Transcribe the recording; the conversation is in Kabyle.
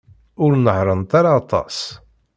Ur nehhṛent ara aṭas.